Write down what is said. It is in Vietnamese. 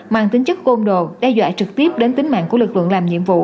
mang tính chất côn đồ đe dọa trực tiếp đến tính mạng của lực lượng làm nhiệm vụ